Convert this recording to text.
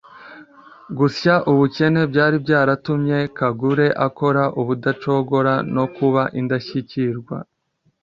gusya ubukene byari byaratumye kagure akora ubudacogora no kuba indashyikirwa